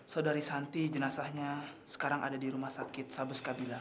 saudari santi jenazahnya sekarang ada di rumah sakit sabeskabila